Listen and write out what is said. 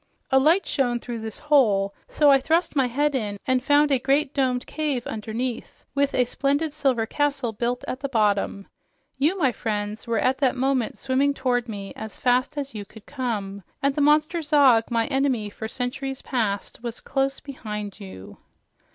"A light shone through this hole, so I thrust my head in and found a great domed cave underneath with a splendid silver castle built at the bottom. You, my friends, were at that moment swimming toward me as fast as you could come, and the monster Zog, my enemy for centuries past, was close behind you.